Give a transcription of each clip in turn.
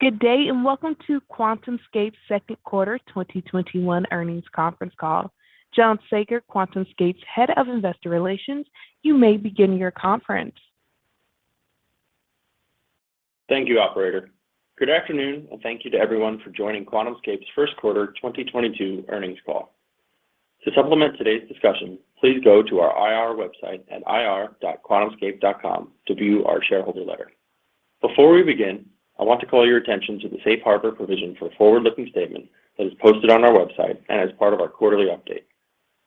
Good day, and welcome to QuantumScape's second quarter 2021 earnings conference call. John Saager, QuantumScape's Head of Investor Relations, you may begin your conference. Thank you, operator. Good afternoon, and thank you to everyone for joining QuantumScape's first quarter 2022 earnings call. To supplement today's discussion, please go to our IR website at ir.quantumscape.com to view our shareholder letter. Before we begin, I want to call your attention to the Safe Harbor provision for forward-looking statement that is posted on our website and as part of our quarterly update.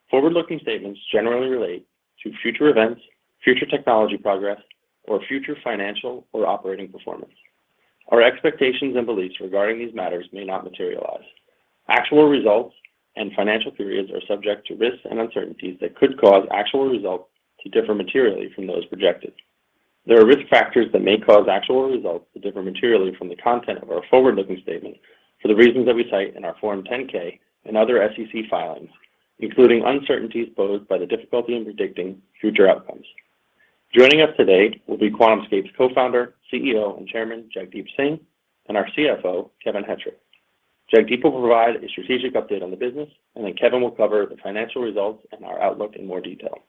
Forward-looking statements generally relate to future events, future technology progress, or future financial or operating performance. Our expectations and beliefs regarding these matters may not materialize. Actual results and financial periods are subject to risks and uncertainties that could cause actual results to differ materially from those projected. There are risk factors that may cause actual results to differ materially from the content of our forward-looking statements for the reasons that we cite in our Form 10-K and other SEC filings, including uncertainties posed by the difficulty in predicting future outcomes. Joining us today will be QuantumScape's Co-founder, CEO, and Chairman, Jagdeep Singh, and our CFO, Kevin Hettrich. Jagdeep will provide a strategic update on the business, and then Kevin will cover the financial results and our outlook in more detail.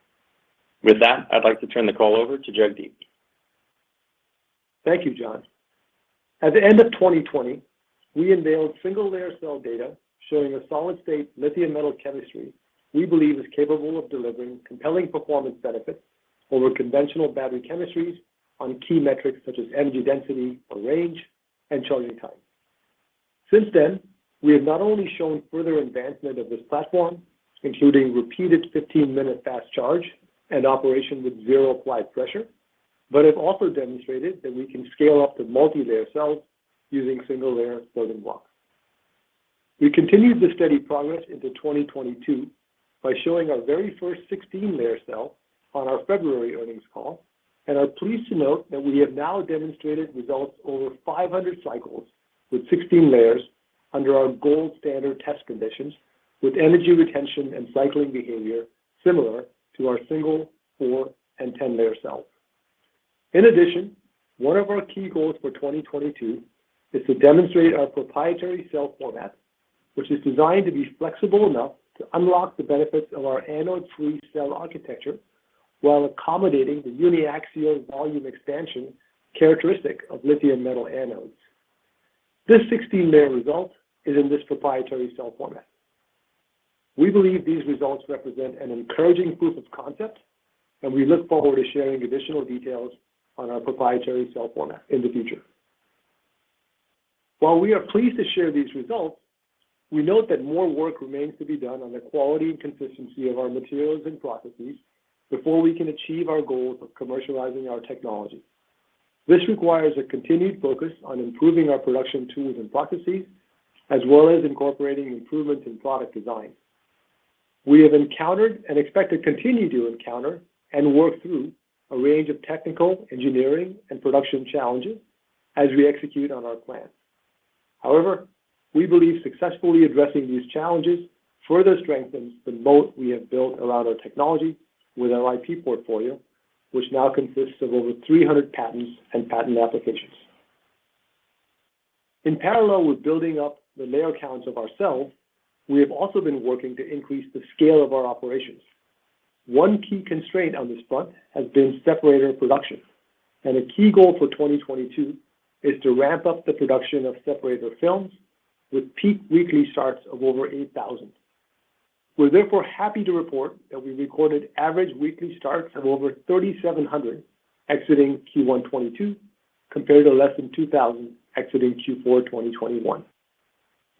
With that, I'd like to turn the call over to Jagdeep. Thank you, John. At the end of 2020, we unveiled single-layer cell data showing a solid-state lithium-metal chemistry we believe is capable of delivering compelling performance benefits over conventional battery chemistries on key metrics such as energy density or range and charging time. Since then, we have not only shown further advancement of this platform, including repeated 15-minute fast charge and operation with zero applied pressure, but have also demonstrated that we can scale up to multi-layer cells using single-layer building blocks. We continued this steady progress into 2022 by showing our very first 16-layer cell on our February earnings call, and are pleased to note that we have now demonstrated results over 500 cycles with 16 layers under our gold standard test conditions with energy retention and cycling behavior similar to our single-, four-, and 10-layer cells. In addition, one of our key goals for 2022 is to demonstrate our proprietary cell format, which is designed to be flexible enough to unlock the benefits of our anode-free cell architecture while accommodating the uniaxial volume expansion characteristic of lithium metal anodes. This 16-layer result is in this proprietary cell format. We believe these results represent an encouraging proof of concept, and we look forward to sharing additional details on our proprietary cell format in the future. While we are pleased to share these results, we note that more work remains to be done on the quality and consistency of our materials and processes before we can achieve our goal of commercializing our technology. This requires a continued focus on improving our production tools and processes, as well as incorporating improvements in product design. We have encountered and expect to continue to encounter and work through a range of technical, engineering, and production challenges as we execute on our plan. However, we believe successfully addressing these challenges further strengthens the moat we have built around our technology with our IP portfolio, which now consists of over 300 patents and patent applications. In parallel with building up the layer counts of our cells, we have also been working to increase the scale of our operations. One key constraint on this front has been separator production, and a key goal for 2022 is to ramp up the production of separator films with peak weekly starts of over 8,000. We're therefore happy to report that we recorded average weekly starts of over 3,700 exiting Q1 2022 compared to less than 2,000 exiting Q4 2021.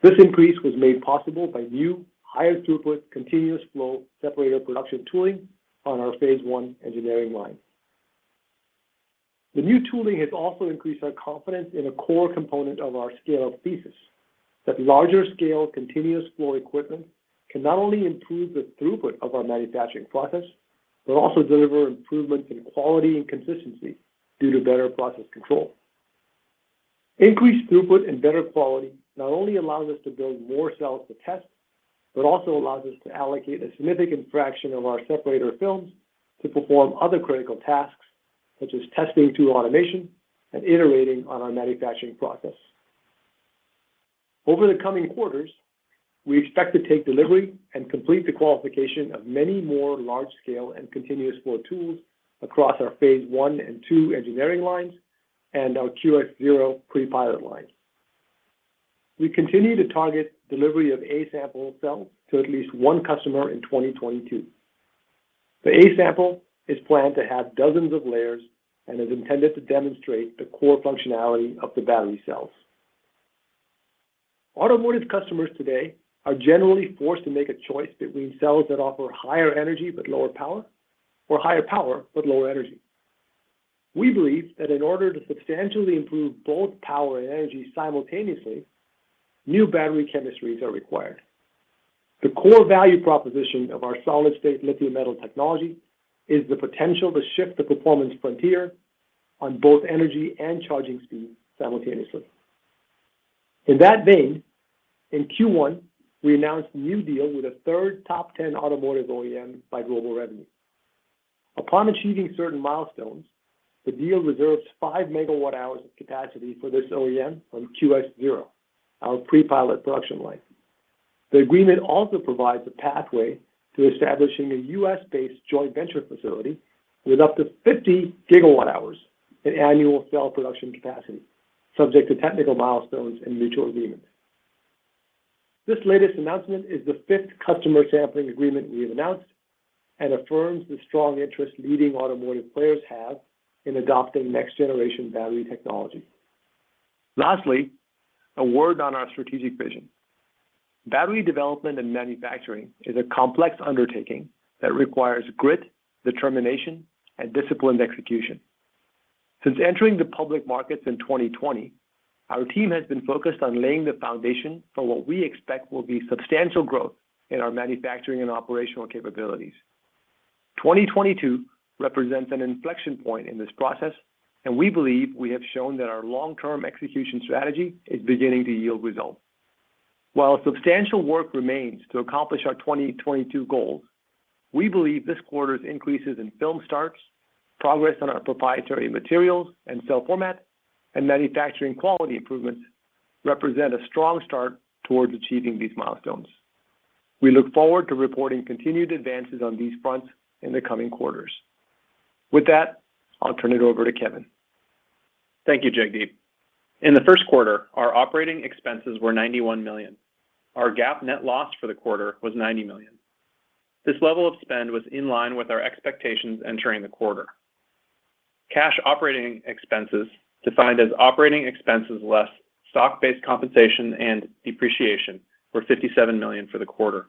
This increase was made possible by new higher throughput continuous flow separator production tooling on our Phase 1 engineering line. The new tooling has also increased our confidence in a core component of our scale thesis, that larger scale continuous flow equipment can not only improve the throughput of our manufacturing process, but also deliver improvements in quality and consistency due to better process control. Increased throughput and better quality not only allows us to build more cells to test, but also allows us to allocate a significant fraction of our separator films to perform other critical tasks, such as testing tool automation and iterating on our manufacturing process. Over the coming quarters, we expect to take delivery and complete the qualification of many more large-scale and continuous flow tools across our Phase 1 and 2 engineering lines and our QS-0 pre-pilot line. We continue to target delivery of A sample cells to at least one customer in 2022. The A sample is planned to have dozens of layers and is intended to demonstrate the core functionality of the battery cells. Automotive customers today are generally forced to make a choice between cells that offer higher energy but lower power or higher power but lower energy. We believe that in order to substantially improve both power and energy simultaneously, new battery chemistries are required. The core value proposition of our solid-state lithium-metal technology is the potential to shift the performance frontier on both energy and charging speed simultaneously. In that vein, in Q1, we announced a new deal with a third top ten automotive OEM by global revenue. Upon achieving certain milestones, the deal reserves 5 MWh of capacity for this OEM from QS-0, our pre-pilot production line. The agreement also provides a pathway to establishing a U.S.-based joint venture facility with up to 50 GWh in annual cell production capacity, subject to technical milestones and mutual agreement. This latest announcement is the fifth customer sampling agreement we have announced and affirms the strong interest leading automotive players have in adopting next-generation battery technology. Lastly, a word on our strategic vision. Battery development and manufacturing is a complex undertaking that requires grit, determination, and disciplined execution. Since entering the public markets in 2020, our team has been focused on laying the foundation for what we expect will be substantial growth in our manufacturing and operational capabilities. 2022 represents an inflection point in this process, and we believe we have shown that our long-term execution strategy is beginning to yield results. While substantial work remains to accomplish our 2022 goals, we believe this quarter's increases in film starts, progress on our proprietary materials and cell format, and manufacturing quality improvements represent a strong start towards achieving these milestones. We look forward to reporting continued advances on these fronts in the coming quarters. With that, I'll turn it over to Kevin. Thank you, Jagdeep. In the first quarter, our operating expenses were $91 million. Our GAAP net loss for the quarter was $90 million. This level of spend was in line with our expectations entering the quarter. Cash operating expenses, defined as operating expenses less stock-based compensation and depreciation, were $57 million for the quarter.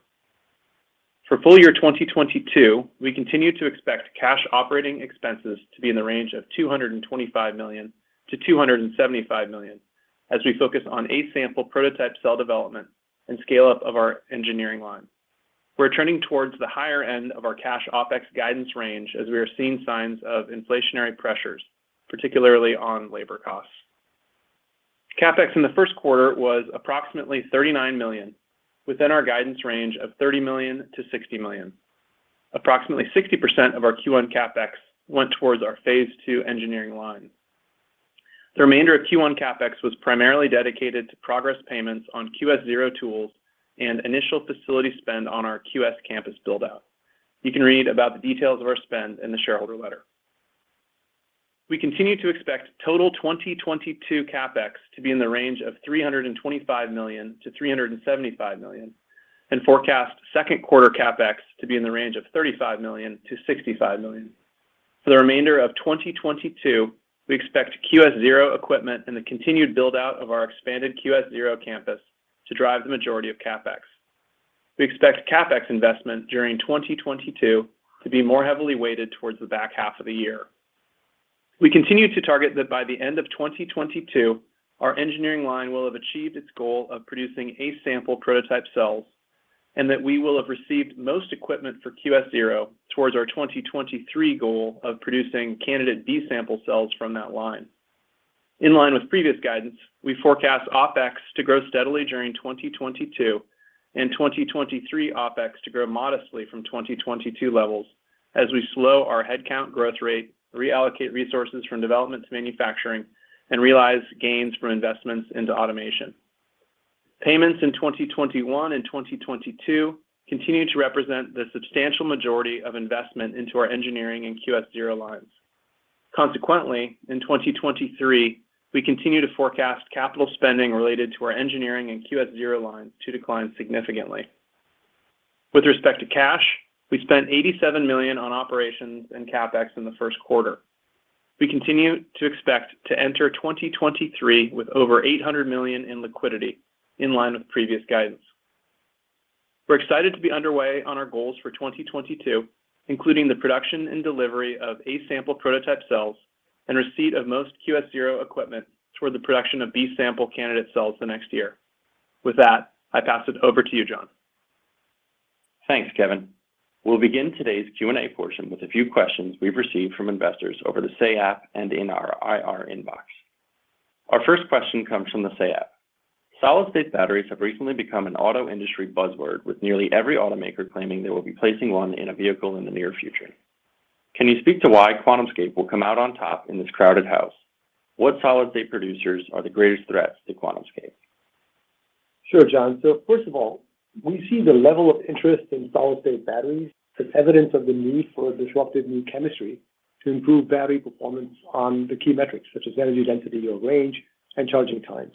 For full year 2022, we continue to expect cash operating expenses to be in the range of $225 million-$275 million as we focus on A sample prototype cell development and scale-up of our engineering line. We're trending towards the higher end of our cash OpEx guidance range as we are seeing signs of inflationary pressures, particularly on labor costs. CapEx in the first quarter was approximately $39 million, within our guidance range of $30 million-$60 million. Approximately 60% of our Q1 CapEx went towards our Phase 2 engineering line. The remainder of Q1 CapEx was primarily dedicated to progress payments on QS-0 tools and initial facility spend on our QS campus build-out. You can read about the details of our spend in the shareholder letter. We continue to expect total 2022 CapEx to be in the range of $325 million-$375 million, and forecast second quarter CapEx to be in the range of $35 million-$65 million. For the remainder of 2022, we expect QS-0 equipment and the continued build-out of our expanded Q-0 campus to drive the majority of CapEx. We expect CapEx investment during 2022 to be more heavily weighted towards the back half of the year. We continue to target that by the end of 2022, our engineering line will have achieved its goal of producing A sample prototype cells and that we will have received most equipment for QS-0 towards our 2023 goal of producing candidate B sample cells from that line. In line with previous guidance, we forecast OpEx to grow steadily during 2022, and 2023 OpEx to grow modestly from 2022 levels as we slow our headcount growth rate, reallocate resources from development to manufacturing, and realize gains from investments into automation. Payments in 2021 and 2022 continue to represent the substantial majority of investment into our engineering and QS-0 lines. Consequently, in 2023, we continue to forecast capital spending related to our engineering and QS-0 lines to decline significantly. With respect to cash, we spent $87 million on operations and CapEx in the first quarter. We continue to expect to enter 2023 with over $800 million in liquidity in line with previous guidance. We're excited to be underway on our goals for 2022, including the production and delivery of A sample prototype cells and receipt of most QS-0 equipment toward the production of B sample candidate cells the next year. With that, I pass it over to you, John. Thanks, Kevin. We'll begin today's Q&A portion with a few questions we've received from investors over the [Say app] and in our IR inbox. Our first question comes from the [Say app]. Solid-state batteries have recently become an auto industry buzzword, with nearly every automaker claiming they will be placing one in a vehicle in the near future. Can you speak to why QuantumScape will come out on top in this crowded house? What solid-state producers are the greatest threats to QuantumScape? Sure, John. First of all, we see the level of interest in solid-state batteries as evidence of the need for a disruptive new chemistry to improve battery performance on the key metrics, such as energy density or range and charging times.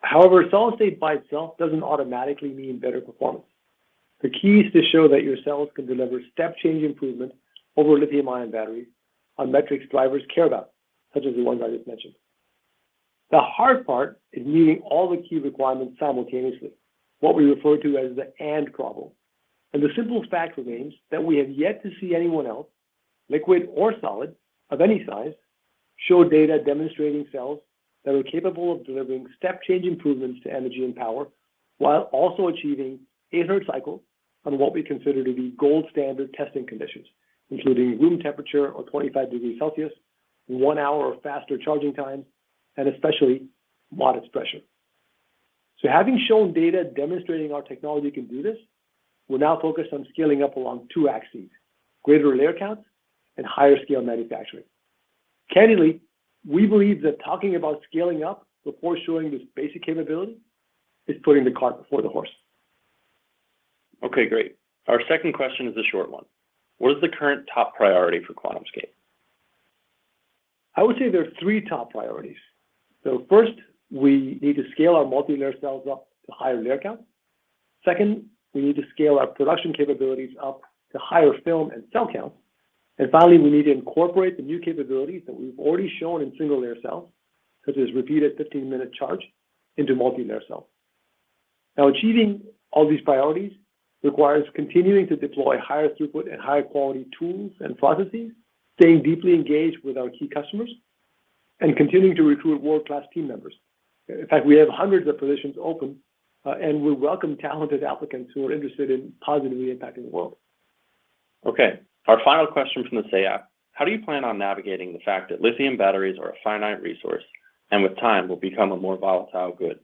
However, solid state by itself doesn't automatically mean better performance. The key is to show that your cells can deliver step change improvement over lithium-ion batteries on metrics drivers care about, such as the ones I just mentioned. The hard part is meeting all the key requirements simultaneously, what we refer to as the and problem. The simple fact remains that we have yet to see anyone else, liquid or solid, of any size, show data demonstrating cells that are capable of delivering step change improvements to energy and power. While also achieving 800 cycles on what we consider to be gold standard testing conditions, including room temperature or 25 degrees Celsius, one hour or faster charging time, and especially modest pressure. Having shown data demonstrating our technology can do this, we're now focused on scaling up along two axes, greater layer counts and higher scale manufacturing. Candidly, we believe that talking about scaling up before showing this basic capability is putting the cart before the horse. Okay, great. Our second question is a short one. What is the current top priority for QuantumScape? I would say there are three top priorities. First, we need to scale our multilayer cells up to higher layer count. Second, we need to scale our production capabilities up to higher film and cell count. Finally, we need to incorporate the new capabilities that we've already shown in single-layer cells, such as repeated 15-minute charge into multilayer cells. Now, achieving all these priorities requires continuing to deploy higher throughput and higher quality tools and processes, staying deeply engaged with our key customers, and continuing to recruit world-class team members. In fact, we have hundreds of positions open, and we welcome talented applicants who are interested in positively impacting the world. Okay. Our final question from the [Say app]: How do you plan on navigating the fact that lithium batteries are a finite resource, and with time, will become a more volatile good?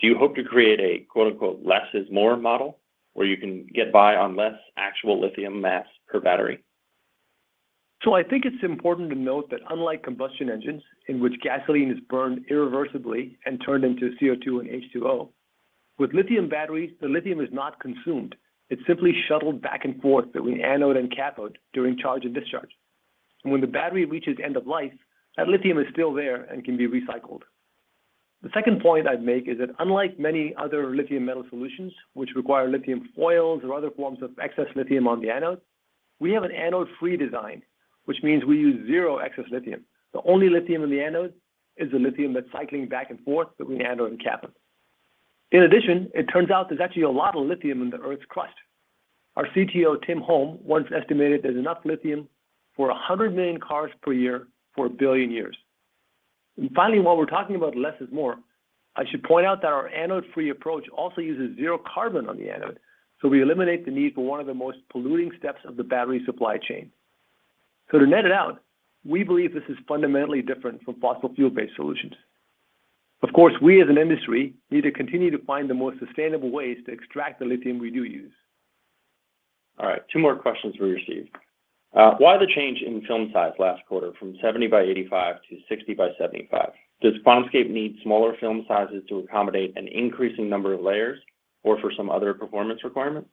Do you hope to create a quote, unquote, "less is more" model where you can get by on less actual lithium mass per battery? I think it's important to note that unlike combustion engines in which gasoline is burned irreversibly and turned into CO₂ and H₂O, with lithium batteries, the lithium is not consumed. It's simply shuttled back and forth between anode and cathode during charge and discharge. When the battery reaches end of life, that lithium is still there and can be recycled. The second point I'd make is that unlike many other lithium metal solutions, which require lithium foils or other forms of excess lithium on the anode, we have an anode-free design, which means we use zero excess lithium. The only lithium in the anode is the lithium that's cycling back and forth between anode and cathode. In addition, it turns out there's actually a lot of lithium in the Earth's crust. Our CTO, Tim Holme, once estimated there's enough lithium for 100 million cars per year for 1 billion years. Finally, while we're talking about less is more, I should point out that our anode-free approach also uses zero carbon on the anode, so we eliminate the need for one of the most polluting steps of the battery supply chain. To net it out, we believe this is fundamentally different from fossil fuel-based solutions. Of course, we as an industry need to continue to find the most sustainable ways to extract the lithium we do use. All right, two more questions we received. Why the change in film size last quarter from 70 by 85 to 60 by 75? Does QuantumScape need smaller film sizes to accommodate an increasing number of layers or for some other performance requirement?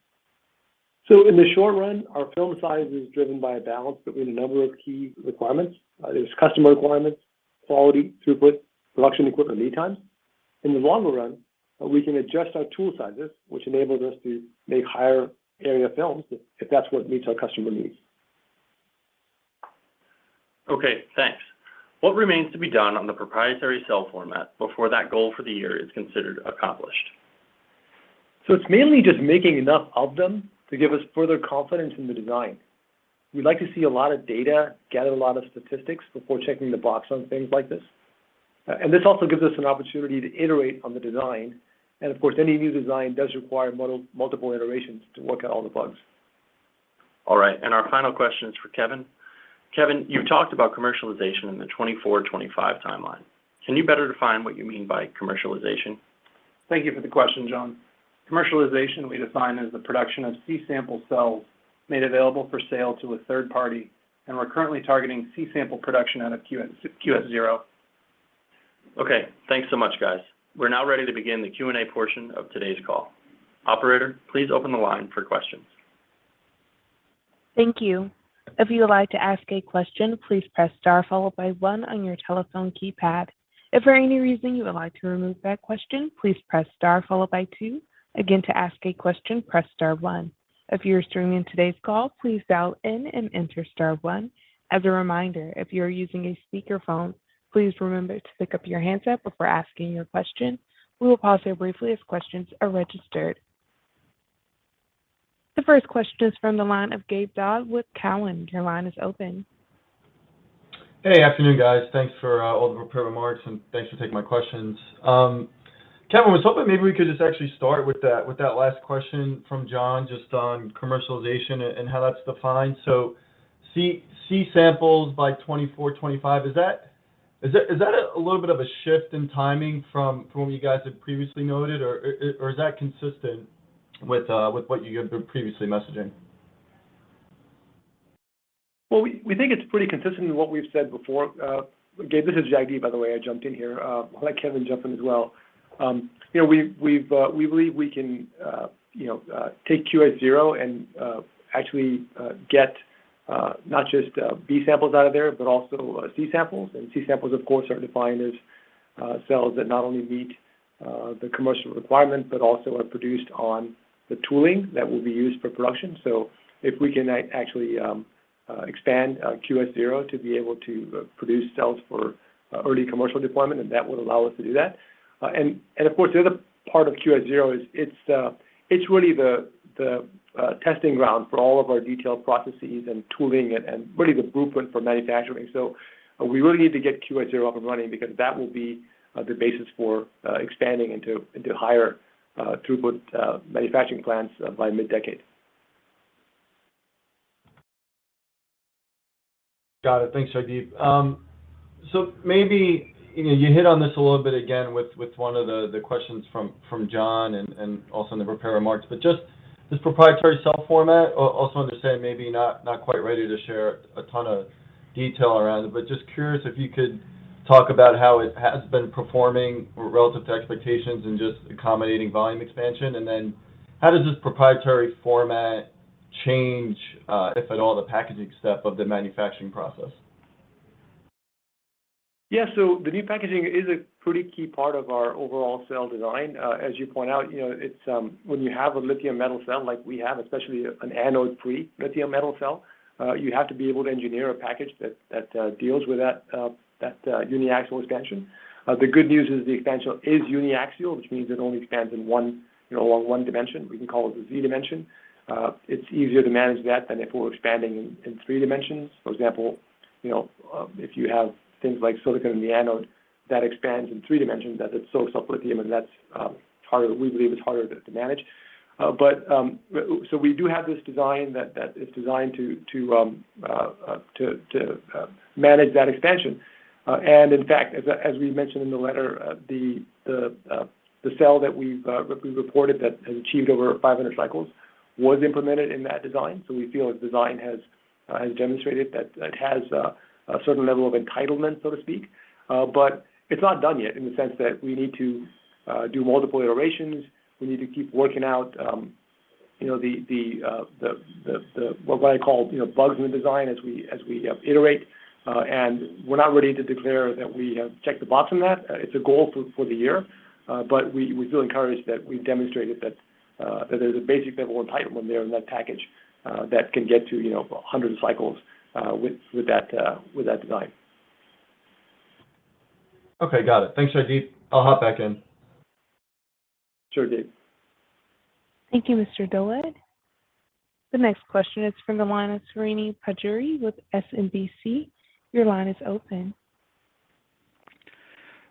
In the short run, our film size is driven by a balance between a number of key requirements. There's customer requirements, quality, throughput, production equipment lead time. In the longer run, we can adjust our tool sizes, which enables us to make higher area films if that's what meets our customer needs. Okay, thanks. What remains to be done on the proprietary cell format before that goal for the year is considered accomplished? It's mainly just making enough of them to give us further confidence in the design. We like to see a lot of data, gather a lot of statistics before checking the box on things like this. This also gives us an opportunity to iterate on the design. Of course, any new design does require multiple iterations to work out all the bugs. All right. Our final question is for Kevin. Kevin, you've talked about commercialization in the 2024, 2025 timeline. Can you better define what you mean by commercialization? Thank you for the question, John. Commercialization we define as the production of C sample cells made available for sale to a third party, and we're currently targeting C sample production out of QS-0. Okay, thanks so much, guys. We're now ready to begin the Q&A portion of today's call. Operator, please open the line for questions. Thank you. If you would like to ask a question, please press star followed by one on your telephone keypad. If for any reason you would like to remove that question, please press star followed by two. Again, to ask a question, press star one. If you are streaming today's call, please dial in and enter star one. As a reminder, if you are using a speakerphone, please remember to pick up your handset before asking your question. We will pause here briefly as questions are registered. The first question is from the line of Gabe Daoud with Cowen. Your line is open. Hey. Afternoon, guys. Thanks for all the prepared remarks, and thanks for taking my questions. Kevin, I was hoping maybe we could just actually start with that, with that last question from John just on commercialization and how that's defined. C samples by 2024, 2025, is that a little bit of a shift in timing from what you guys had previously noted, or is that consistent with what you had been previously messaging? Well, we think it's pretty consistent with what we've said before. Gabe, this is Jagdeep, by the way. I jumped in here. I'll let Kevin jump in as well. You know, we believe we can you know take QS-0 and actually get not just B samples out of there, but also C samples. C samples, of course, are defined as cells that not only meet the commercial requirements, but also are produced on the tooling that will be used for production. If we can actually expand QS-0 to be able to produce cells for early commercial deployment, then that would allow us to do that. Of course, the other part of QS-0 is it's really the testing ground for all of our detailed processes and tooling and really the blueprint for manufacturing. We really need to get QS-0 up and running because that will be the basis for expanding into higher throughput manufacturing plants by mid-decade. Got it. Thanks, Jagdeep. So maybe, you know, you hit on this a little bit again with one of the questions from John and also in the prepared remarks. Just this proprietary cell format, also understand maybe not quite ready to share a ton of detail around it, but just curious if you could talk about how it has been performing relative to expectations and just accommodating volume expansion. Then how does this proprietary format change, if at all, the packaging step of the manufacturing process? Yeah. The new packaging is a pretty key part of our overall cell design. As you point out, you know, it's when you have a lithium metal cell like we have, especially an anode-free lithium metal cell, you have to be able to engineer a package that deals with that uniaxial extension. The good news is the extension is uniaxial, which means it only expands in one, you know, along one dimension. We can call it the Z dimension. It's easier to manage that than if it were expanding in three dimensions. For example, you know, if you have things like silicon in the anode, that expands in three dimensions as it soaks up lithium, and that's harder, we believe it's harder to manage. We do have this design that is designed to manage that expansion. In fact, as we mentioned in the letter, the cell that we've reported that has achieved over 500 cycles was implemented in that design. We feel the design has demonstrated that it has a certain level of entitlement, so to speak. It's not done yet in the sense that we need to do multiple iterations. We need to keep working out, you know, the what I call, you know, bugs in the design as we iterate. We're not ready to declare that we have checked the box on that. It's a goal for the year, but we feel encouraged that we've demonstrated that there's a basic level of entitlement there in that package that can get to, you know, hundreds of cycles with that design. Okay. Got it. Thanks, Jagdeep. I'll hop back in. Sure, Gabe. Thank you, Mr. Daoud. The next question is from the line of Srini Pajjuri with SMBC. Your line is open.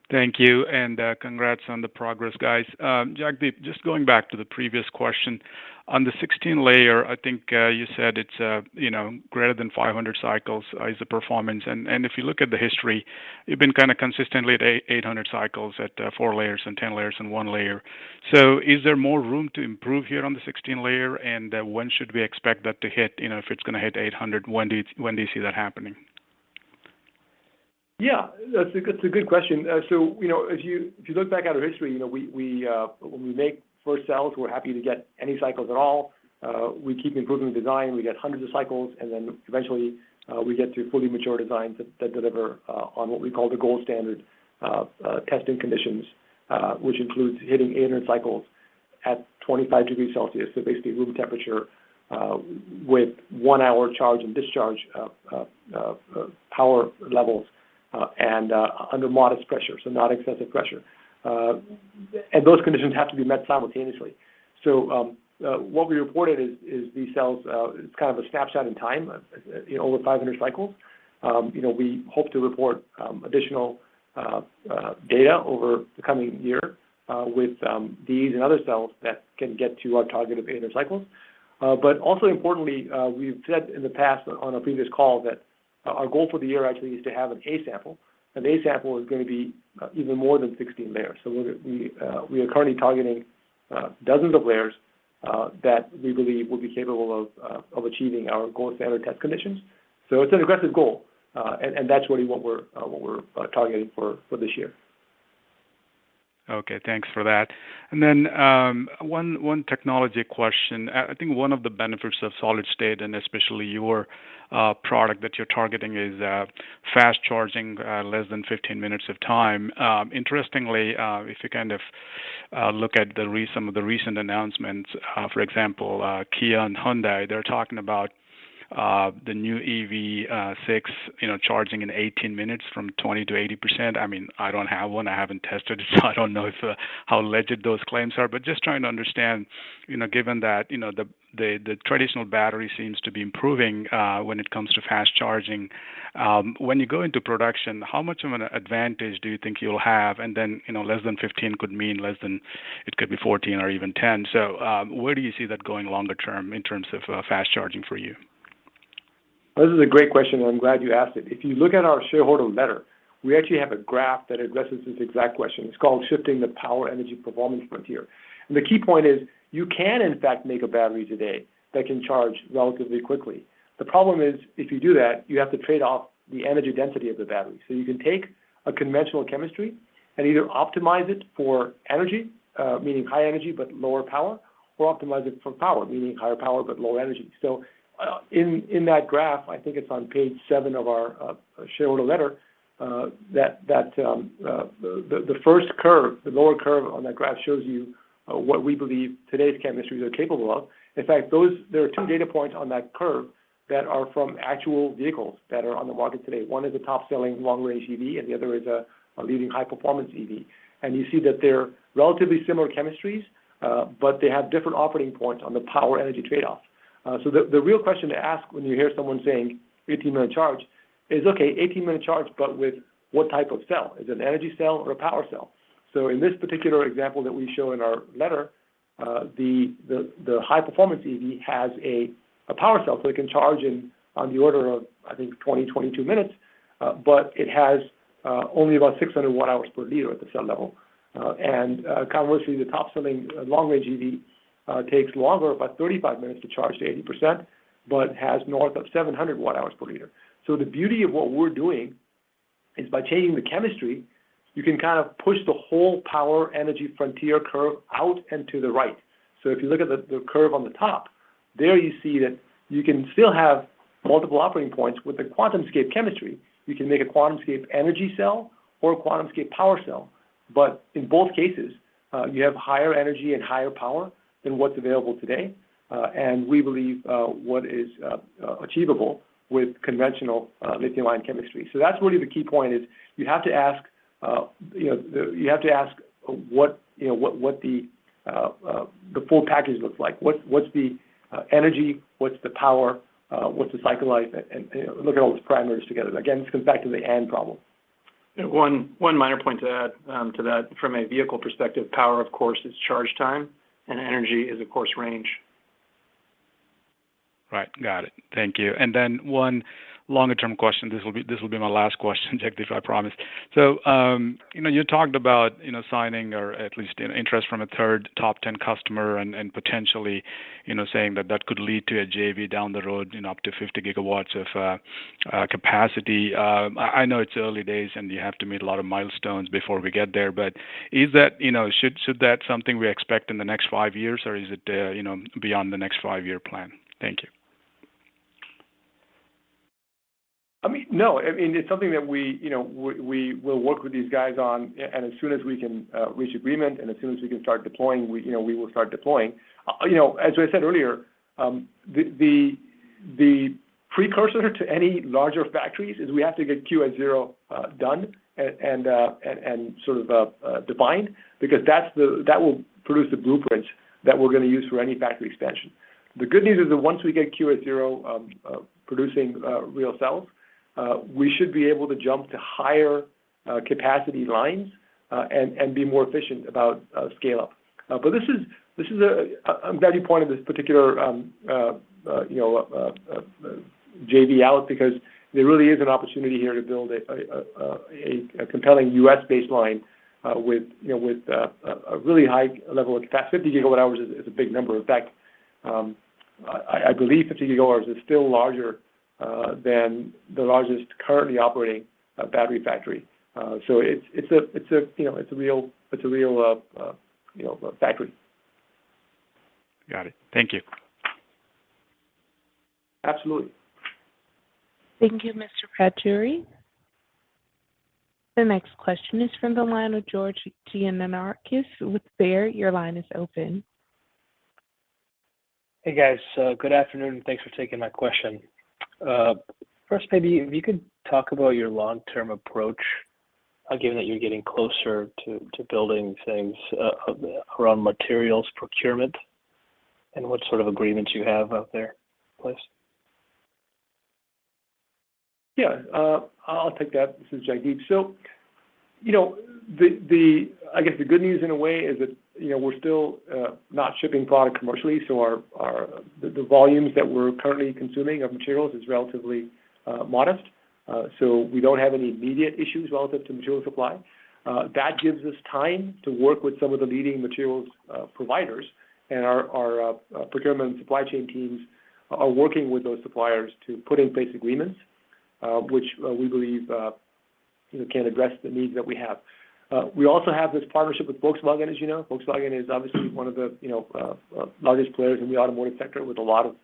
Thank you, and congrats on the progress, guys. Jagdeep, just going back to the previous question. On the 16-layer, I think you said it's you know, greater than 500 cycles is the performance. If you look at the history, you've been kind of consistently at 800 cycles at four layers and 10 layers and one layer. So is there more room to improve here on the 16-layer, and when should we expect that to hit? You know, if it's gonna hit 800, when do you see that happening? Yeah. That's a good question. If you look back at our history, you know, when we make first cells, we're happy to get any cycles at all. We keep improving the design, we get hundreds of cycles, and then eventually, we get to fully mature designs that deliver on what we call the gold standard testing conditions, which includes hitting 800 cycles at 25 degrees Celsius. Basically room temperature, with one-hour charge and discharge power levels, and under modest pressure, so not excessive pressure. Those conditions have to be met simultaneously. What we reported is these cells, it's kind of a snapshot in time of, you know, over 500 cycles. You know, we hope to report additional data over the coming year with these and other cells that can get to our target of 800 cycles. Also importantly, we've said in the past on a previous call that our goal for the year actually is to have an A sample. An A sample is gonna be even more than 16 layers. We are currently targeting dozens of layers that we believe will be capable of achieving our gold standard test conditions. It's an aggressive goal, and that's really what we're targeting for this year. Okay. Thanks for that. One technology question. I think one of the benefits of solid state, and especially your product that you're targeting, is fast charging less than 15 minutes of time. Interestingly, if you kind of look at some of the recent announcements, for example, Kia and Hyundai, they're talking about the new EV6, you know, charging in 18 minutes from 20% to 80%. I mean, I don't have one, I haven't tested it, so I don't know if how legit those claims are. Just trying to understand, you know, given that, you know, the traditional battery seems to be improving when it comes to fast charging. When you go into production, how much of an advantage do you think you'll have? You know, less than 15 could mean it could be 14 or even 10. Where do you see that going longer term in terms of fast charging for you? This is a great question, and I'm glad you asked it. If you look at our shareholder letter, we actually have a graph that addresses this exact question. It's called Shifting the Power-Energy Performance Frontier. The key point is you can in fact make a battery today that can charge relatively quickly. The problem is if you do that, you have to trade off the energy density of the battery. You can take a conventional chemistry and either optimize it for energy, meaning high energy but lower power, or optimize it for power, meaning higher power but lower energy. In that graph, I think it's on page seven of our shareholder letter, the first curve, the lower curve on that graph shows you what we believe today's chemistries are capable of. In fact, those... There are two data points on that curve that are from actual vehicles that are on the market today. One is a top-selling long-range EV, and the other is a leading high-performance EV. You see that they're relatively similar chemistries, but they have different operating points on the power-energy trade-off. The real question to ask when you hear someone saying 18-minute charge is, okay, 18-minute charge, but with what type of cell? Is it an energy cell or a power cell? In this particular example that we show in our letter, the high performance EV has a power cell, so it can charge in on the order of, I think, 22 minutes, but it has only about 600 Wh per liter at the cell level. Conversely, the top selling long range EV takes longer, about 35 minutes to charge to 80%, but has north of 700 Wh per liter. The beauty of what we're doing is by changing the chemistry, you can kind of push the whole power energy frontier curve out and to the right. If you look at the curve on the top, there you see that you can still have multiple operating points with the QuantumScape chemistry. You can make a QuantumScape energy cell or a QuantumScape power cell. In both cases, you have higher energy and higher power than what's available today, and we believe what is achievable with conventional lithium ion chemistry. That's really the key point is you have to ask, you know, the... You have to ask what, you know, the full package looks like. What’s the energy, what’s the power, what’s the cycle life, and you know, look at all those parameters together. Again, this comes back to the and problem. One minor point to add to that from a vehicle perspective, power of course is charge time, and energy is of course range. Right. Got it. Thank you. One longer-term question. This will be my last question, Jagdeep, I promise. You know, you talked about, you know, signing or at least an interest from a third top 10 customer and potentially, you know, saying that that could lead to a JV down the road, you know, up to 50 GWh of capacity. I know it's early days, and you have to meet a lot of milestones before we get there, but is that, you know, something we expect in the next five years, or is it, you know, beyond the next five-year plan? Thank you. I mean, no, it's something that we, you know, we will work with these guys on and as soon as we can reach agreement, and as soon as we can start deploying, we, you know, we will start deploying. You know, as I said earlier, the precursor to any larger factories is we have to get QS-0 done and sort of defined because that's that will produce the blueprint that we're gonna use for any factory expansion. The good news is that once we get QS-0 producing real cells, we should be able to jump to higher capacity lines and be more efficient about scale up. This is a... I'm very excited about this particular JV because there really is an opportunity here to build a compelling U.S.-based line with, you know, with a really high level of capacity. 50 GWh is a big number. In fact, I believe 50 GWh is still larger than the largest currently operating battery factory. It's a real factory. Got it. Thank you. Absolutely. Thank you, Mr. Pajjuri. The next question is from the line of George Gianarikas with Baird. Your line is open. Hey, guys. Good afternoon. Thanks for taking my question. First, maybe if you could talk about your long-term approach, given that you're getting closer to building things around materials procurement and what sort of agreements you have out there, please. Yeah. I'll take that. This is Jagdeep. You know, I guess the good news in a way is that, you know, we're still not shipping product commercially, so the volumes that we're currently consuming of materials is relatively modest. We don't have any immediate issues relative to material supply. That gives us time to work with some of the leading materials providers, and our procurement and supply chain teams are working with those suppliers to put in place agreements, which we believe, you know, can address the needs that we have. We also have this partnership with Volkswagen, as you know. Volkswagen is obviously one of the, you know, largest players in the automotive sector with a lot of,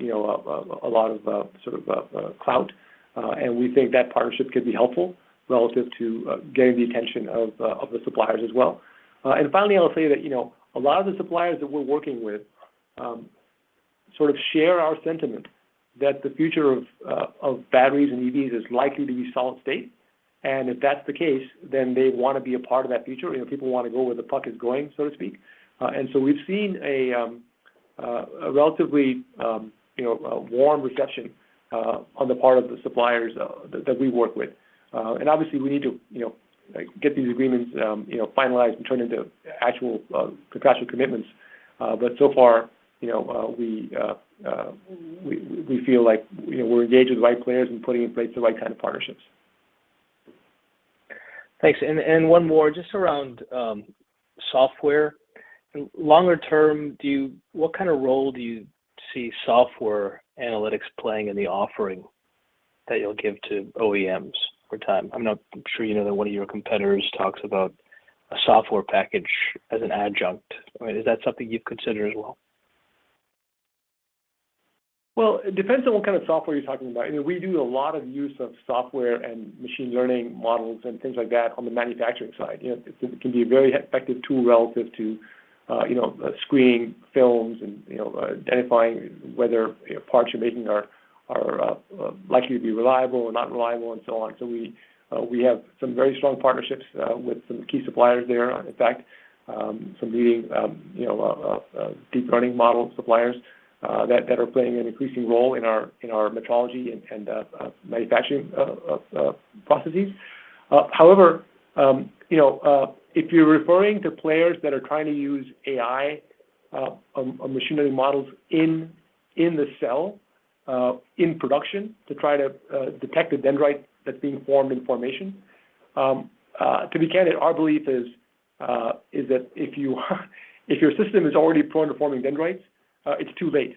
you know, sort of clout. We think that partnership could be helpful relative to gaining the attention of the suppliers as well. Finally, I'll tell you that, you know, a lot of the suppliers that we're working with sort of share our sentiment that the future of batteries and EVs is likely to be solid-state. If that's the case, then they wanna be a part of that future. You know, people wanna go where the puck is going, so to speak. We've seen a relatively, you know, warm reception on the part of the suppliers that we work with. Obviously we need to, you know, get these agreements, you know, finalized and turned into actual contractual commitments. So far, you know, we feel like, you know, we're engaged with the right players and putting in place the right kind of partnerships. Thanks. One more just around software. Longer term, do you what kind of role do you see software analytics playing in the offering that you'll give to OEMs over time? I'm not sure you know that one of your competitors talks about a software package as an adjunct. I mean, is that something you'd consider as well? Well, it depends on what kind of software you're talking about. I mean, we do a lot of use of software and machine learning models and things like that on the manufacturing side. You know, it can be a very effective tool relative to, you know, screening films and, you know, identifying whether, you know, parts you're making are likely to be reliable or not reliable and so on. We have some very strong partnerships with some key suppliers there. In fact, some leading, you know, deep learning model suppliers that are playing an increasing role in our metrology and manufacturing processes. However, you know, if you're referring to players that are trying to use AI or machine learning models in the cell in production to try to detect a dendrite that's being formed in formation, to be candid, our belief is that if your system is already prone to forming dendrites, it's too late.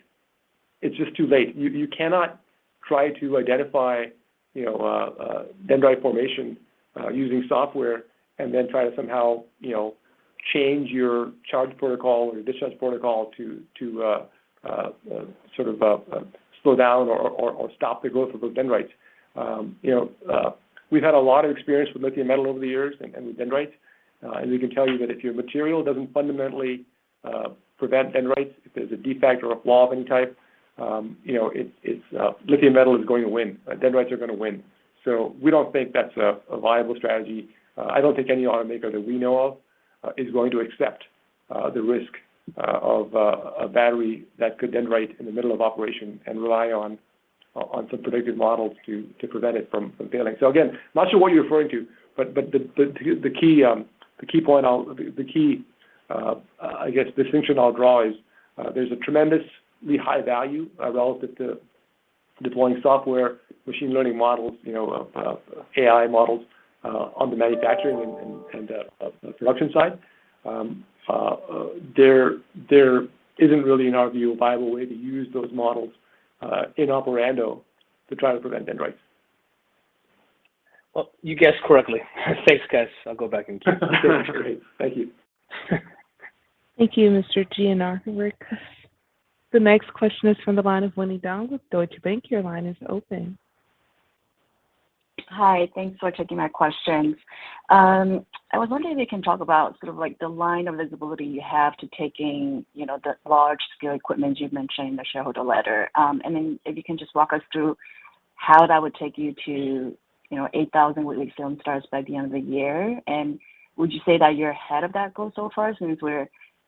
It's just too late. You cannot try to identify, you know, dendrite formation using software and then try to somehow, you know, change your charge protocol or discharge protocol to sort of slow down or stop the growth of those dendrites. You know, we've had a lot of experience with lithium metal over the years and with dendrites. We can tell you that if your material doesn't fundamentally prevent dendrites, if there's a defect or a flaw of any type, you know, it's lithium metal is going to win. Dendrites are gonna win. We don't think that's a viable strategy. I don't think any automaker that we know of is going to accept the risk of a battery that could dendrite in the middle of operation and rely on some predictive models to prevent it from failing. Again, I'm not sure what you're referring to, but the key distinction I'll draw is there's a tremendously high value relative to deploying software machine learning models, you know, AI models, on the manufacturing and the production side. There isn't really, in our view, a viable way to use those models in operando to try to prevent dendrites. Well, you guessed correctly. Thanks, guys. I'll go back and keep listening. Great. Thank you. Thank you, Mr. Gianarikas. The next question is from the line of Winnie Dong with Deutsche Bank. Your line is open. Hi. Thanks for taking my questions. I was wondering if you can talk about sort of like the line of visibility you have to taking, you know, the large scale equipment you've mentioned in the shareholder letter. And then if you can just walk us through how that would take you to, you know, 8,000 weekly film starts by the end of the year. Would you say that you're ahead of that goal so far, since we're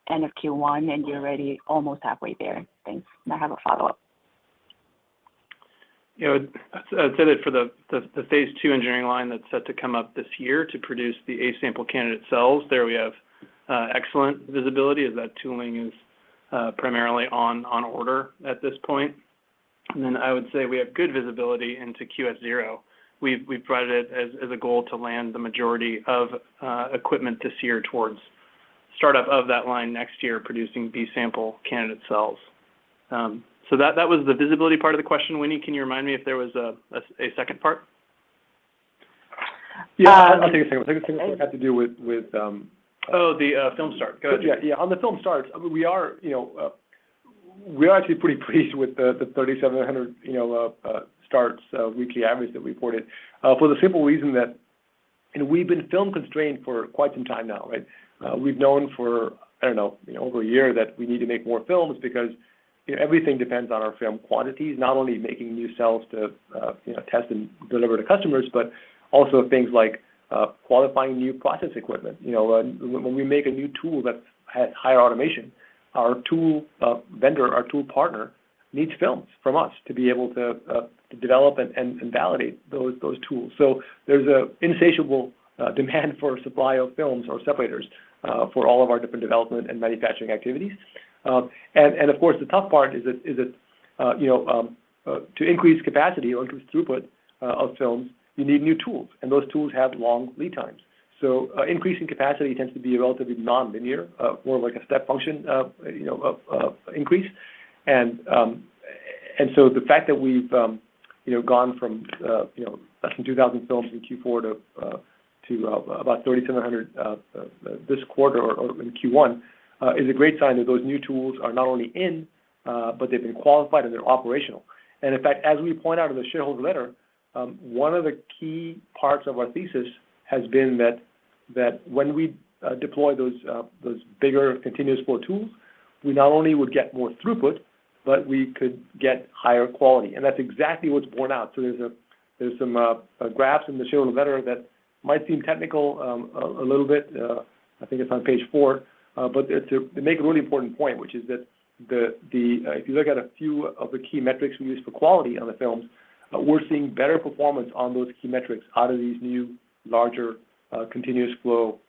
end of Q1 and you're already almost halfway there? Thanks. I have a follow-up. You know, I'd say that for the Phase 2 engineering line that's set to come up this year to produce the A sample candidate cells, there we have excellent visibility as that tooling is primarily on order at this point. Then I would say we have good visibility into QS-0. We've provided it as a goal to land the majority of equipment this year towards startup of that line next year producing B sample candidate cells. So that was the visibility part of the question. Winnie, can you remind me if there was a second part? Yeah. I'll take the second one. I think the second one had to do with... Go ahead. Yeah. On the film starts, we are, you know, actually pretty pleased with the 3,700, you know, starts weekly average that we reported for the simple reason that, you know, we've been film constrained for quite some time now, right? We've known for, I don't know, you know, over a year that we need to make more films because, you know, everything depends on our film quantities, not only making new cells to, you know, test and deliver to customers, but also things like qualifying new process equipment. You know, when we make a new tool that has higher automation, our tool vendor, our tool partner needs films from us to be able to to develop and validate those tools. There's an insatiable demand for supply of films or separators for all of our different development and manufacturing activities. Of course, the tough part is that to increase capacity or increase throughput of films, you need new tools, and those tools have long lead times. Increasing capacity tends to be relatively nonlinear, more of like a step function of increase. The fact that we've gone from less than 2,000 films in Q4 to about 3,700 this quarter or in Q1 is a great sign that those new tools are not only in, but they've been qualified and they're operational. In fact, as we point out in the shareholder letter, one of the key parts of our thesis has been that when we deploy those bigger continuous flow tools, we not only would get more throughput, but we could get higher quality. That's exactly what's borne out. There's some graphs in the shareholder letter that might seem technical, a little bit. I think it's on page four. But to make a really important point, which is that if you look at a few of the key metrics we use for quality on the films, we're seeing better performance on those key metrics out of these new, larger continuous flow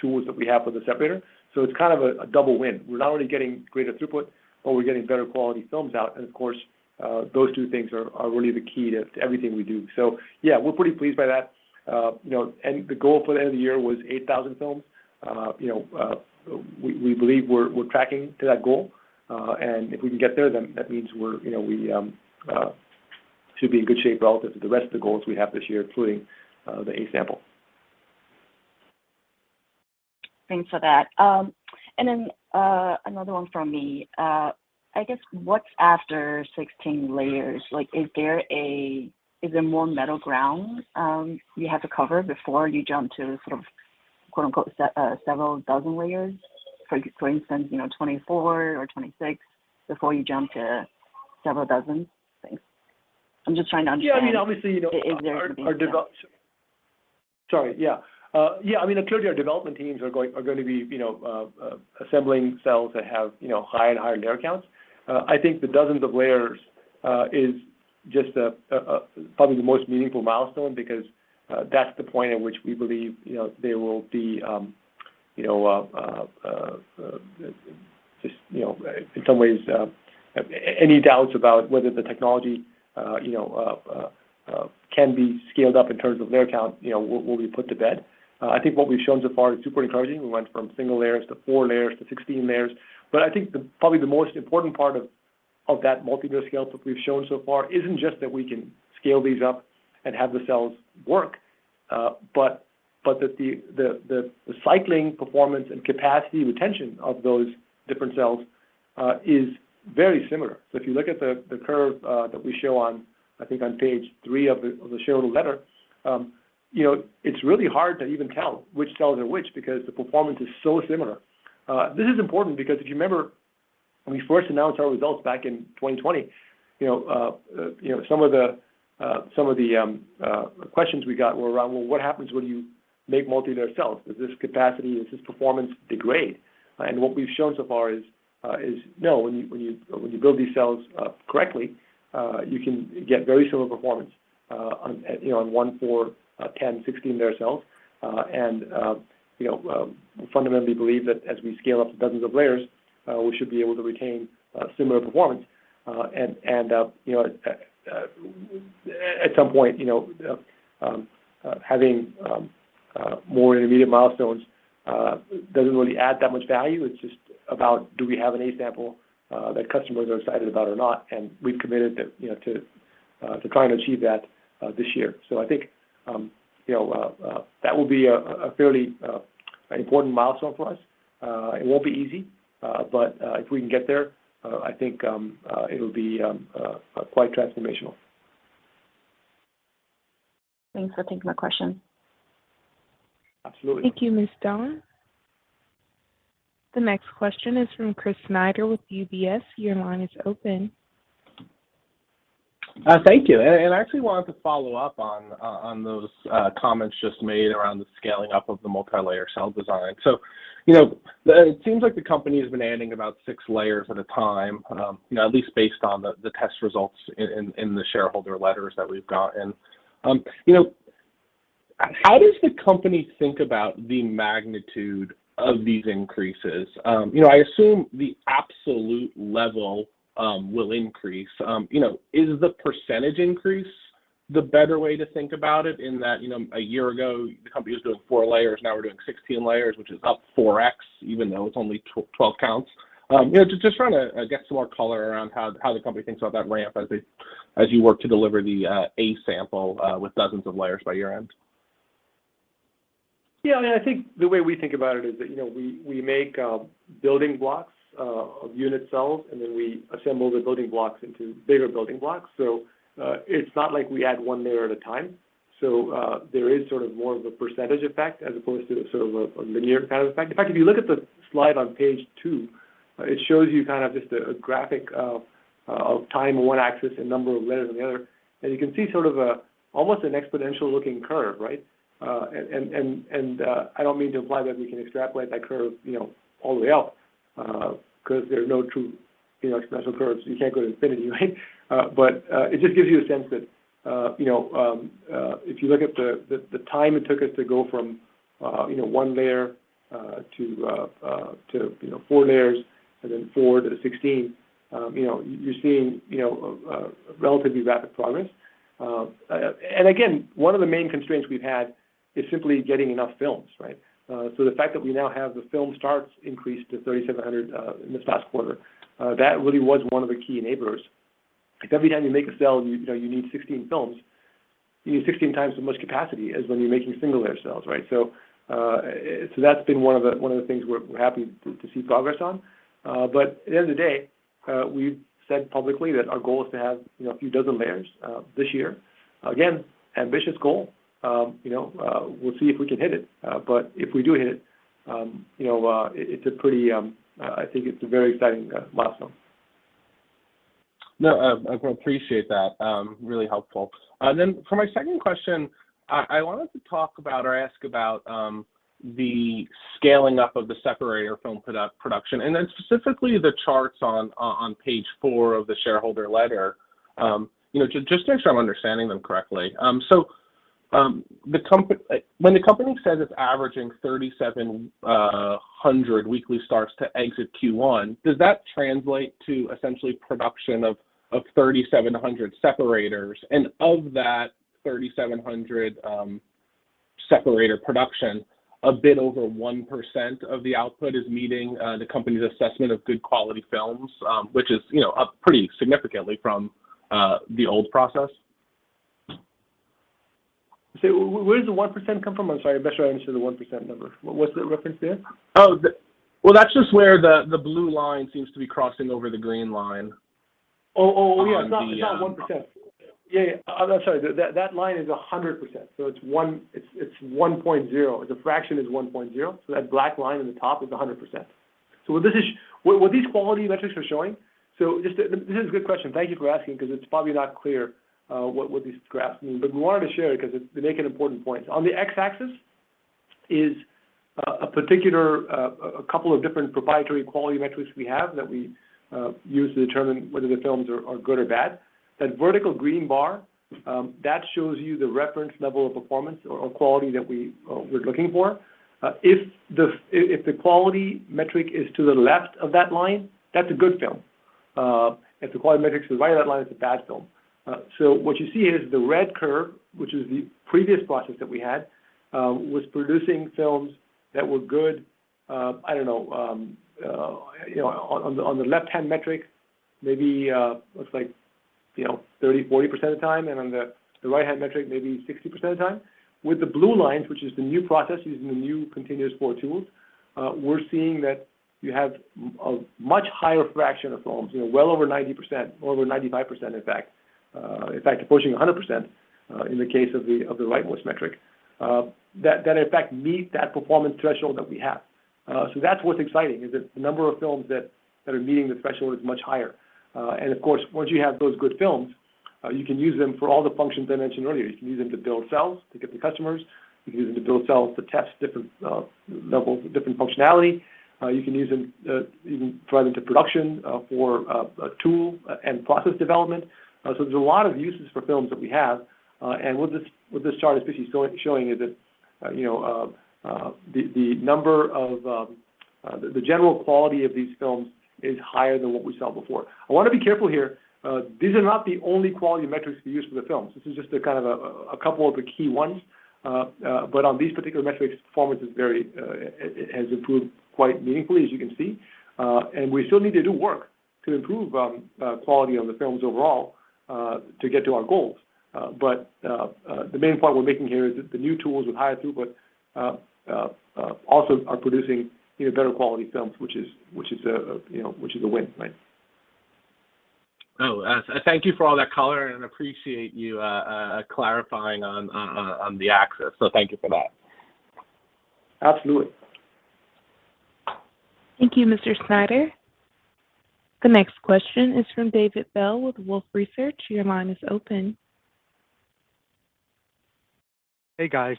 tools that we have for the separator. It's kind of a double win. We're not only getting greater throughput, but we're getting better quality films out. Of course, those two things are really the key to everything we do. Yeah, we're pretty pleased by that. You know, the goal for the end of the year was 8,000 films. You know, we believe we're tracking to that goal. If we can get there, then that means we're, you know, should be in good shape relative to the rest of the goals we have this year, including the A sample. Thanks for that. Another one from me. I guess what's after 16 layers? Like, is there more middle ground you have to cover before you jump to sort of quote unquote "several dozen layers"? For instance, you know, 24 or 26 before you jump to several dozen? Thanks. I'm just trying to understand- Yeah. I mean, obviously, you know. Is there something- I mean, clearly our development teams are gonna be, you know, assembling cells that have, you know, higher and higher layer counts. I think the dozens of layers is just probably the most meaningful milestone because that's the point at which we believe, you know, there will be, you know, just, you know, in some ways, any doubts about whether the technology, you know, can be scaled up in terms of layer count, you know, will be put to bed. I think what we've shown so far is super encouraging. We went from single layers to four layers to 16 layers. I think probably the most important part of that multilayer scale that we've shown so far isn't just that we can scale these up and have the cells work, but that the cycling performance and capacity retention of those different cells is very similar. If you look at the curve that we show on, I think on page three of the shareholder letter, you know, it's really hard to even tell which cells are which because the performance is so similar. This is important because if you remember when we first announced our results back in 2020, you know, some of the questions we got were around, well, what happens when you make multilayer cells? Does this capacity, does this performance degrade? What we've shown so far is no. When you build these cells correctly, you can get very similar performance, you know, on one, four, 10, 16 layer cells. You know, we fundamentally believe that as we scale up to dozens of layers, we should be able to retain similar performance. You know, at some point, you know, having more intermediate milestones doesn't really add that much value. It's just about do we have an A sample that customers are excited about or not, and we've committed to, you know, to try and achieve that this year. So I think, you know, that will be a fairly important milestone for us. It won't be easy, but if we can get there, I think it'll be quite transformational. Thanks for taking my question. Absolutely. Thank you, Ms. Dong. The next question is from Chris Snyder with UBS. Your line is open. Thank you. I actually wanted to follow up on those comments just made around the scaling up of the multilayer cell design. You know, it seems like the company has been adding about six layers at a time, you know, at least based on the test results in the shareholder letters that we've gotten. You know, how does the company think about the magnitude of these increases? You know, I assume the absolute level will increase. You know, is the percentage increase the better way to think about it in that, you know, a year ago the company was doing four layers, now we're doing 16 layers, which is up 4x, even though it's only 12 counts. You know, just trying to get some more color around how the company thinks about that ramp as you work to deliver the A sample with dozens of layers by year end. Yeah. I mean, I think the way we think about it is that, you know, we make building blocks of unit cells, and then we assemble the building blocks into bigger building blocks. It's not like we add one layer at a time. There is sort of more of a percentage effect as opposed to sort of a linear kind of effect. In fact, if you look at the slide on page two, it shows you kind of just a graphic of time on one axis and number of layers on the other. You can see sort of almost an exponential looking curve, right? I don't mean to imply that we can extrapolate that curve, you know, all the way up, 'cause there are no true, you know, exponential curves. You can't go to infinity, right? It just gives you a sense that, you know, if you look at the time it took us to go from, you know, one layer, to, you know, four layers and then four to 16, you know, you're seeing, you know, relatively rapid progress. Again, one of the main constraints we've had is simply getting enough films, right? The fact that we now have the film starts increased to 3,700, in this last quarter, that really was one of the key enablers. Because every time you make a cell, you know, you need 16 films. You need 16 times as much capacity as when you're making single layer cells, right? That's been one of the things we're happy to see progress on. At the end of the day, we've said publicly that our goal is to have a few dozen layers this year. Again, ambitious goal. You know, we'll see if we can hit it. If we do hit it, you know, it's a pretty, I think it's a very exciting milestone. No, I appreciate that. Really helpful. For my second question, I wanted to talk about or ask about the scaling up of the separator film production, and then specifically the charts on page four of the shareholder letter, you know, just to make sure I'm understanding them correctly. When the company says it's averaging 3,700 weekly starts to exit Q1, does that translate to essentially production of 3,700 separators? Of that 3,700 separator production, a bit over 1% of the output is meeting the company's assessment of good quality films, which is, you know, up pretty significantly from the old process. Where does the 1% come from? I'm sorry, I'm not sure I understood the 1% number. What’s the reference there? That's just where the blue line seems to be crossing over the green line. Oh, oh. Yeah, on the It's not 1%. Yeah. I'm sorry. That line is 100%. It's 1.0. The fraction is 1.0. That black line at the top is 100%. This is what these quality metrics are showing. This is a good question. Thank you for asking because it's probably not clear what these graphs mean. We wanted to share it because they make an important point. On the X-axis is a particular couple of different proprietary quality metrics we have that we use to determine whether the films are good or bad. That vertical green bar that shows you the reference level of performance or quality that we're looking for. If the quality metric is to the left of that line, that's a good film. If the quality metric is to the right of that line, it's a bad film. What you see is the red curve, which is the previous process that we had, was producing films that were good, I don't know, you know, on the left-hand metric, maybe looks like, you know, 30%, 40% of the time, and on the right-hand metric, maybe 60% of the time. With the blue lines, which is the new process using the new continuous flow tools, we're seeing that you have much higher fraction of films, you know, well over 90%, over 95%, in fact. In fact, approaching 100%, in the case of the rightmost metric, that in fact meet that performance threshold that we have. That's what's exciting is that the number of films that are meeting the threshold is much higher. Of course, once you have those good films, you can use them for all the functions I mentioned earlier. You can use them to build cells to get to customers. You can use them to build cells to test different levels, different functionality. You can use them, you can throw them into production for a tool and process development. There's a lot of uses for films that we have, and what this chart is basically showing is that, you know, the general quality of these films is higher than what we saw before. I wanna be careful here. These are not the only quality metrics we use for the films. This is just a kind of a couple of the key ones. But on these particular metrics, performance is very, it has improved quite meaningfully, as you can see. We still need to do work to improve quality on the films overall, to get to our goals. The main point we're making here is that the new tools with higher throughput also are producing, you know, better quality films, which is, you know, a win, right? Thank you for all that color, and appreciate you clarifying on the axis. Thank you for that. Absolutely. Thank you, Mr. Snyder. The next question is from David Bell with Wolfe Research. Your line is open. Hey, guys.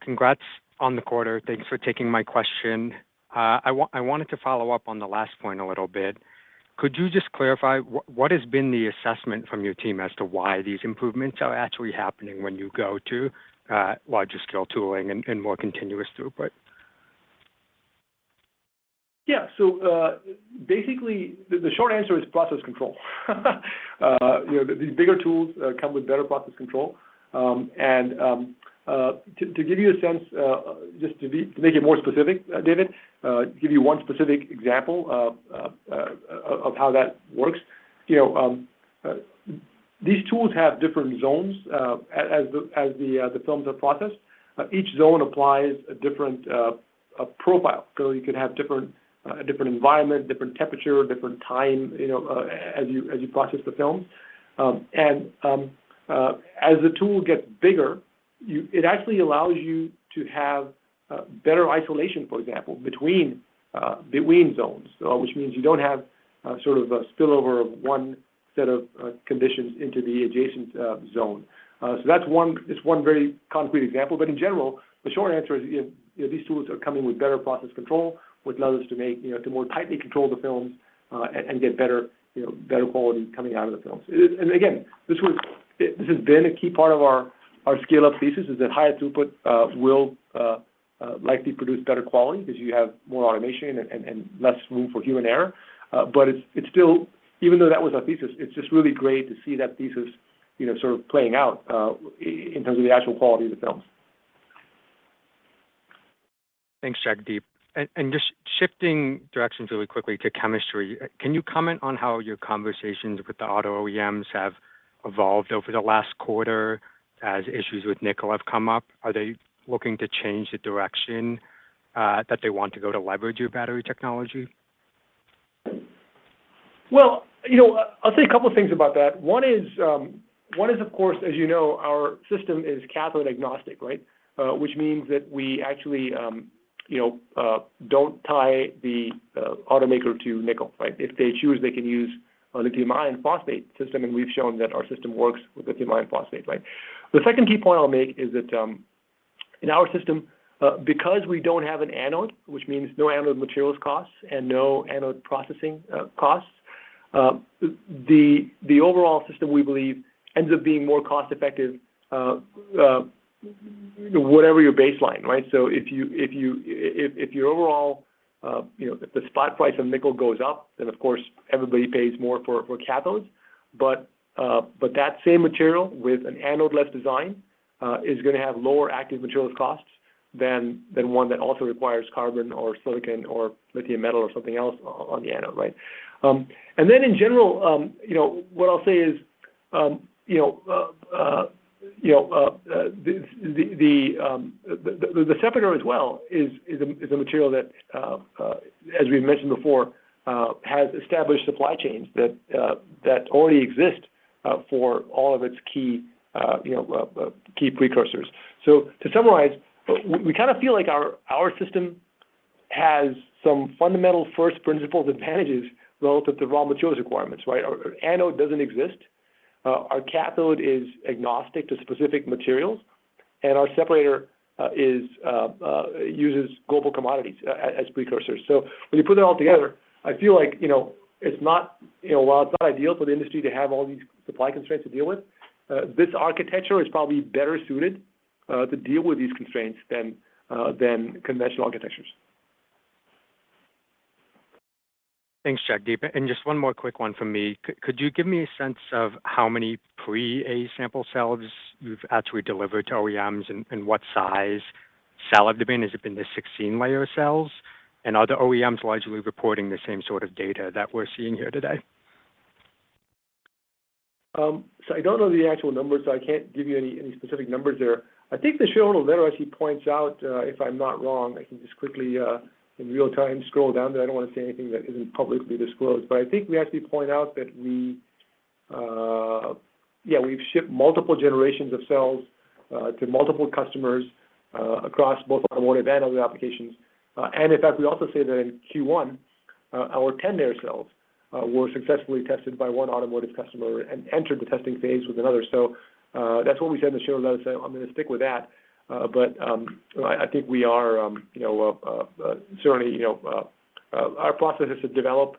Congrats on the quarter. Thanks for taking my question. I wanted to follow up on the last point a little bit. Could you just clarify what has been the assessment from your team as to why these improvements are actually happening when you go to larger scale tooling and more continuous throughput? Basically the short answer is process control. You know, these bigger tools come with better process control. To give you a sense, just to make it more specific, David, give you one specific example of how that works. You know, these tools have different zones as the films are processed. Each zone applies a different profile. You can have different environment, different temperature, different time, you know, as you process the film. As the tool gets bigger, you... It actually allows you to have better isolation, for example, between zones, which means you don't have sort of a spillover of one set of conditions into the adjacent zone. That's one, it's one very concrete example. In general, the short answer is, you know, these tools are coming with better process control, which allows us to make, you know, to more tightly control the films and get better, you know, better quality coming out of the films. This has been a key part of our scale-up thesis is that higher throughput will likely produce better quality 'cause you have more automation and less room for human error. It's still, even though that was our thesis, it's just really great to see that thesis, you know, sort of playing out, in terms of the actual quality of the films. Thanks, Jagdeep. Just shifting directions really quickly to chemistry, can you comment on how your conversations with the auto OEMs have evolved over the last quarter as issues with nickel have come up? Are they looking to change the direction that they want to go to leverage your battery technology? Well, you know, I'll say a couple things about that. One is, of course, as you know, our system is cathode agnostic, right? Which means that we actually, you know, don't tie the automaker to nickel, right? If they choose, they can use a lithium iron phosphate system, and we've shown that our system works with lithium iron phosphate, right? The second key point I'll make is that, in our system, because we don't have an anode, which means no anode materials costs and no anode processing costs, the overall system, we believe, ends up being more cost-effective, whatever your baseline, right? If your overall, you know, if the spot price of nickel goes up, then of course everybody pays more for cathodes. that same material with an anode-free design is gonna have lower active materials costs than one that also requires carbon or silicon or lithium metal or something else on the anode, right? In general, you know, what I'll say is, you know, the separator as well is a material that, as we've mentioned before, has established supply chains that already exist for all of its key precursors. To summarize, we kinda feel like our system has some fundamental first principles advantages relative to raw materials requirements, right? Our anode doesn't exist, our cathode is agnostic to specific materials, and our separator uses global commodities as precursors. When you put that all together, I feel like, you know, it's not, you know, while it's not ideal for the industry to have all these supply constraints to deal with, this architecture is probably better suited to deal with these constraints than conventional architectures. Thanks, Jagdeep. Just one more quick one from me. Could you give me a sense of how many pre-A sample cells you've actually delivered to OEMs and what size cell they've been? Has it been the 16-layer cells? Are the OEMs largely reporting the same sort of data that we're seeing here today? I don't know the actual numbers, so I can't give you any specific numbers there. I think the shareholder letter actually points out, if I'm not wrong, I can just quickly, in real-time scroll down there. I don't want to say anything that isn't publicly disclosed. I think we actually point out that we, yeah, we've shipped multiple generations of cells, to multiple customers, across both automotive and other applications. In fact, we also say that in Q1, our 10-layer cells, were successfully tested by one automotive customer and entered the testing phase with another. That's what we said in the shareholder letter, so I'm gonna stick with that. I think we are, you know, certainly, you know, our process is to develop,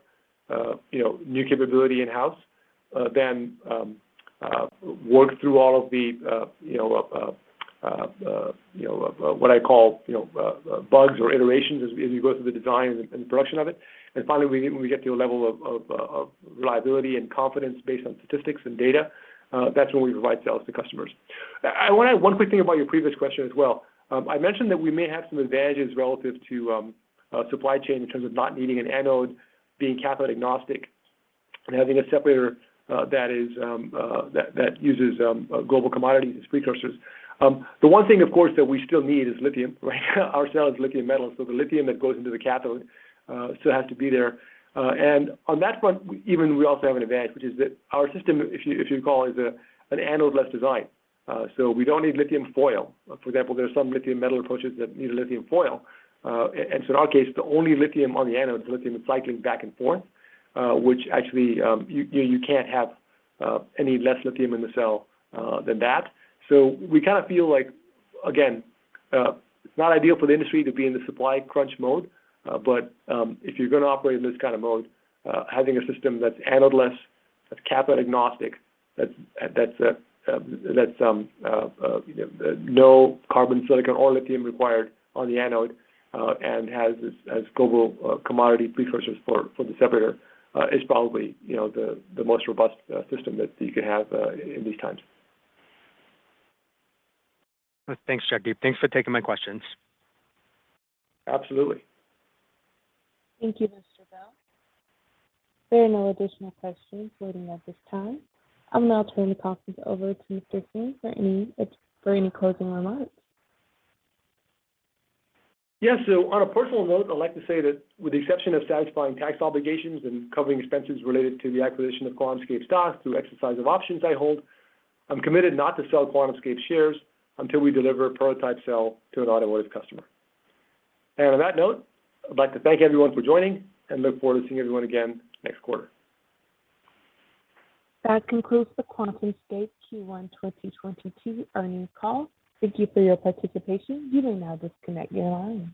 you know, new capability in-house, then work through all of the, you know, what I call, you know, bugs or iterations as you go through the design and production of it. Finally, when we get to a level of reliability and confidence based on statistics and data, that's when we provide samples to customers. One quick thing about your previous question as well. I mentioned that we may have some advantages relative to supply chain in terms of not needing an anode, being cathode agnostic and having a separator that uses global commodities as precursors. The one thing, of course, that we still need is lithium, right? Our cell is lithium metal, so the lithium that goes into the cathode still has to be there. On that front, even we also have an advantage, which is that our system, if you call, is an anode-less design. We don't need lithium foil. For example, there are some lithium metal approaches that need a lithium foil. In our case, the only lithium on the anode is the lithium that's cycling back and forth, which actually, you know, you can't have any less lithium in the cell than that. We kind of feel like, again, it's not ideal for the industry to be in the supply crunch mode, but if you're gonna operate in this kind of mode, having a system that's anode-free, that's cathode-agnostic, you know, no carbon, silicon or lithium required on the anode, and has global commodity precursors for the separator, is probably, you know, the most robust system that you could have in these times. Thanks, Jagdeep. Thanks for taking my questions. Absolutely. Thank you, Mr. Bell. There are no additional questions waiting at this time. I'll now turn the conference over to Mr. Singh for any closing remarks. Yeah. On a personal note, I'd like to say that with the exception of satisfying tax obligations and covering expenses related to the acquisition of QuantumScape stock through exercise of options I hold, I'm committed not to sell QuantumScape shares until we deliver a prototype cell to an [automotive] customer. On that note, I'd like to thank everyone for joining and look forward to seeing everyone again next quarter. That concludes the QuantumScape Q1 2022 earnings call. Thank you for your participation. You may now disconnect your line.